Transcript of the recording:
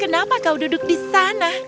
kenapa kau duduk di sana